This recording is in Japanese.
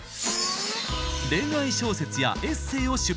恋愛小説やエッセーを出版。